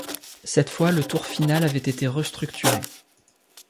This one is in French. Cette fois le tour final avait été restructuré.